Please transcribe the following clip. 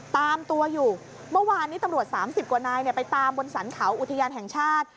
ตามตัวอยู่เมื่อวานนี้ตำรวจ๓๐กว่านายไปตามบนสรรเขาอุทยานแห่งชาติ